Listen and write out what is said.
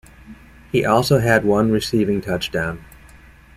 He also had one receiving touchdown.